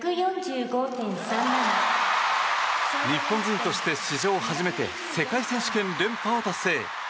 日本人として史上初めて世界選手権連覇を達成。